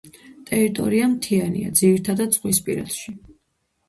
ტერიტორია მთიანია, ძირითადად ზღვისპირეთში.